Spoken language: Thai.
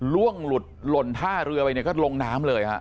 ล่วงหลุดหล่นท่าเรือไปเนี่ยก็ลงน้ำเลยฮะ